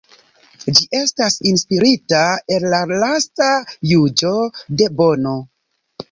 Ĝi estas inspirita el la lasta juĝo de Bono.